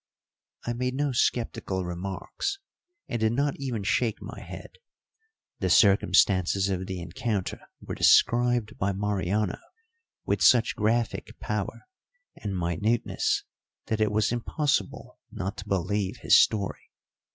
I made no sceptical remarks, and did not even shake my head. The circumstances of the encounter were described by Mariano with such graphic power and minuteness that it was impossible not to believe his story.